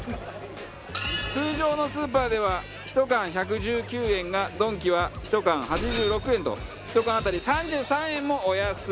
通常のスーパーでは１缶１１９円がドンキは１缶８６円と１缶当たり３３円もお安い。